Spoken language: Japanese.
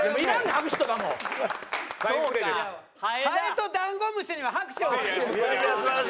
ハエとダンゴムシには拍手を送る。